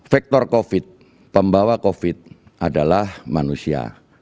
faktor covid pembawa covid adalah manusia